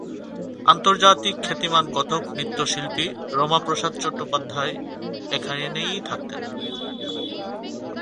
আন্তর্জাতিক খ্যাতিমান কথক নৃত্যশিল্পী, রমা প্রসাদ চট্টোপাধ্যায় এখানেই থাকতেন।